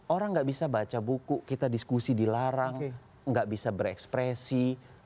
orang nggak bisa baca buku kita diskusi dilarang nggak bisa berekspresi